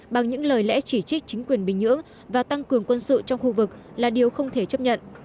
bằng những lời lẽ chỉ trích chính quyền bình nhưỡng và tăng cường quân sự trong khu vực là điều không thể chấp nhận